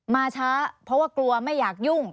มาช้าเพราะว่ากลัวไม่อยากยุ่ง